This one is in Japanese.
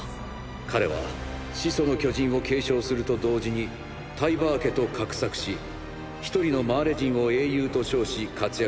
彼は「始祖の巨人」を継承すると同時にタイバー家と画策しひとりのマーレ人を英雄と称し活躍させました。